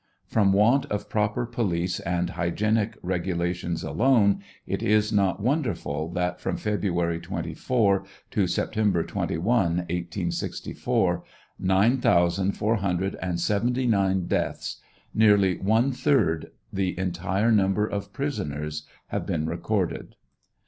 From want of proper police and hygienic regulations alone it is not wonderful that from February 24 to September 21, 1864, nine thousand four hundred and seventy nine deaths, nearly one third the Wtire number of prisoners have been recorded.